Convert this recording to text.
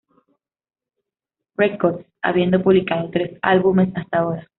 Records, habiendo publicado tres álbumes hasta ahora.